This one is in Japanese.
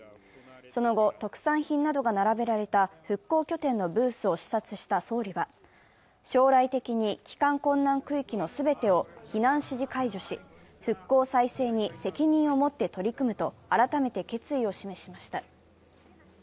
その後、特産品などが並べられた復興拠点のブースを視察した総理は、将来的に帰還困難区域の全てを避難指示解除し復興再生に責任を持って取り組むと、改めて決意を示しました。